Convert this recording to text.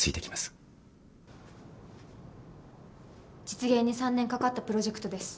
実現に３年かかったプロジェクトです。